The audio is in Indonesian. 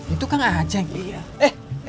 itu kang aceh